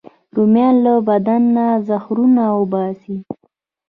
رومیان له بدن نه زهرونه وباسي